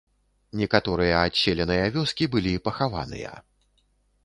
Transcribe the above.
Некаторыя адселеныя вёскі былі пахаваныя.